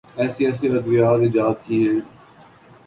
ایسی ایسی ادویات ایجاد کی ہیں۔